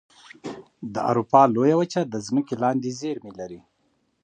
د اروپا لویه وچه د ځمکې لاندې زیرمې لري.